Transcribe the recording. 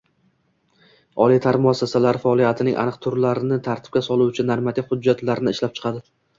oliy ta’lim muassasalari faoliyatining aniq turlarini tartibga soluvchi normativ hujjatlarni ishlab chiqadi